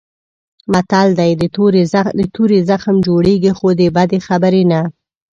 متل دی: د تورې زخم جوړېږي خو د بدې خبرې نه.